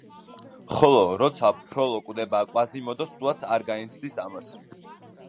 ხოლო, როცა ფროლო კვდება კვაზიმოდო სულაც არ განიცდის ამას.